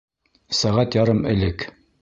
Сәғәт ярым элек.